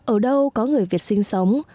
ở đâu có người việt sinh sống